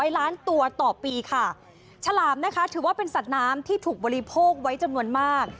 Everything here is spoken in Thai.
ล้านตัวต่อปีค่ะฉลามนะคะถือว่าเป็นสัตว์น้ำที่ถูกบริโภคไว้จำนวนมาก